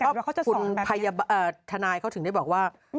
แล้วเขาจะสอนแบบนี้คุณฐานายเขาถึงได้บอกว่า